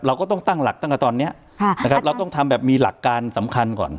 เราก็ต้องตั้งหลักตั้งแต่ตอนเนี้ยค่ะนะครับเราต้องทำแบบมีหลักการสำคัญก่อน